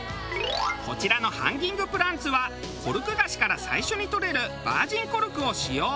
こちらのハンギングプランツはコルクガシから最初に採れるバージンコルクを使用。